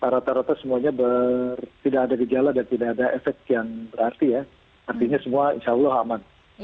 rata rata semuanya tidak ada gejala dan tidak ada efek yang berarti ya artinya semua insya allah aman